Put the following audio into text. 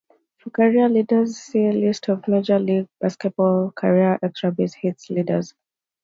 For career leaders see List of Major League Baseball career extra base hits leaders.